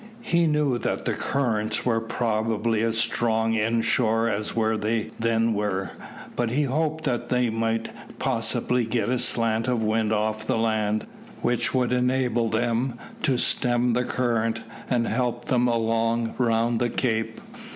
He knew that the currents were probably as strong in shore as where they then were, but he hoped that they might possibly get a slant of wind off the land, which would enable them to stem the current, and help them along round the Cape.